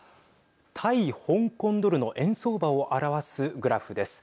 対香港ドルの円相場を表すグラフです。